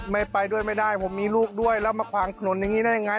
ไม่ไปด้วยไม่ได้ผมมีลูกด้วยแล้วมาขวางถนนอย่างนี้ได้ยังไง